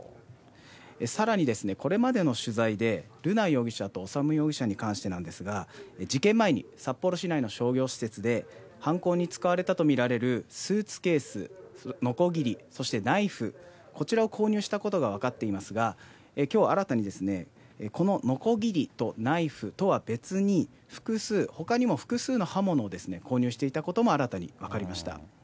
さらにですね、これまでの取材で、瑠奈容疑者と修容疑者に関してなんですが、事件前に札幌市内の商業施設で、犯行に使われたと見られるスーツケース、のこぎり、そしてナイフ、こちらを購入したことが分かっていますが、きょう新たに、こののこぎりとナイフとは別に、複数、ほかにも複数の刃物を購入していたことも新たに分かりました。